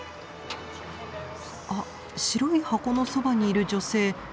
あっ白い箱のそばにいる女性